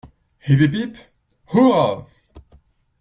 Hip ! hip ! hip ! hurrah !